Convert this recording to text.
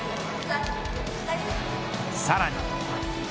さらに。